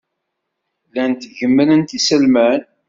Llant gemmrent iselman.